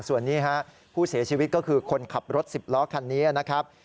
ส่วนนี้ผู้เสียชีวิตก็คือคนขับรถ๑๐ล้อคันนี้นะครับ